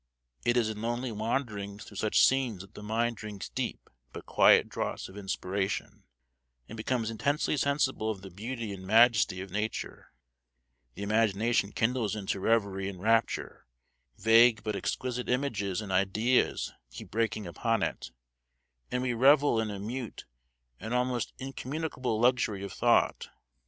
It is in lonely wanderings through such scenes that the mind drinks deep but quiet draughts of inspiration, and becomes intensely sensible of the beauty and majesty of Nature. The imagination kindles into reverie and rapture, vague but exquisite images and ideas keep breaking upon it, and we revel in a mute and almost incommunicable luxury of thought.